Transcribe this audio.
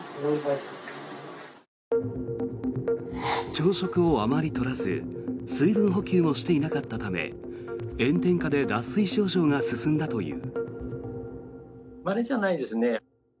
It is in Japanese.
朝食をあまり取らず水分補給もしていなかったため炎天下で脱水症状が進んだという。